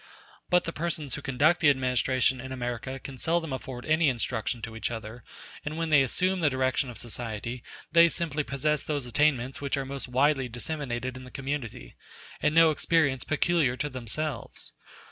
But the persons who conduct the administration in America can seldom afford any instruction to each other; and when they assume the direction of society, they simply possess those attainments which are most widely disseminated in the community, and no experience peculiar to themselves.